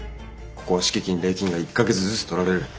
ここは敷金礼金が１か月ずつ取られる。